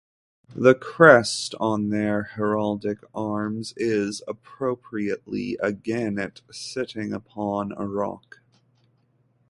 The crest on their heraldic arms is, appropriately, a gannet sitting upon a rock.